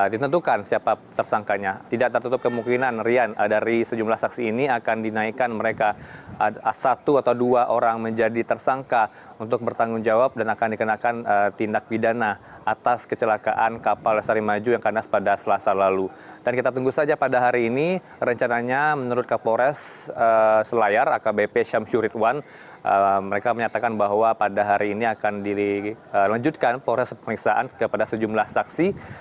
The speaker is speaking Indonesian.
dan juga kemarin diperiksa bahwa proses penyelidikan ini akan dinaikkan menjadi ke proses penyelidikan ini